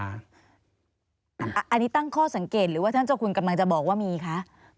อันนี้ตั้งข้อสังเกตหรือว่าท่านเจ้าคุณกำลังจะบอกว่ามีคะ